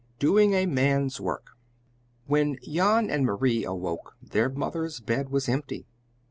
V DOING A MAN'S WORK When Jan and Marie awoke, their mother's bed was empty.